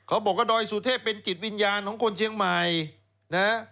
เขาบอกว่าดอยสุเทพเป็นกิจวิญญาณของคนเชียงใหม่